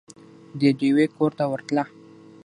د ډېوې کور ته ورتله